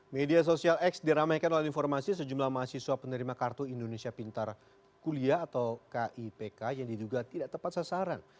media sosial x diramaikan oleh informasi sejumlah mahasiswa penerima kartu indonesia pintar kuliah atau kipk yang diduga tidak tepat sasaran